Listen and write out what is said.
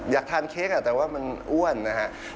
อยากทานเค้กแต่ว่ามันอ้วนนะครับ